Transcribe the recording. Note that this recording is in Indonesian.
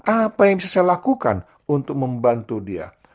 apa yang bisa saya lakukan untuk membantu dia